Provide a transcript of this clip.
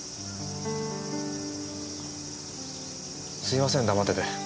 すいません黙ってて。